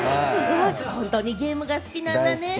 本当にゲームが好きなんですね。